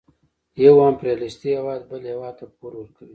یو امپریالیستي هېواد بل هېواد ته پور ورکوي